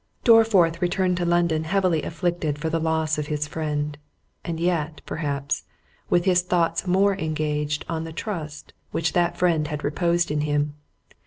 Dorriforth returned to London heavily afflicted for the loss of his friend; and yet, perhaps, with his thoughts more engaged upon the trust which that friend had reposed in him.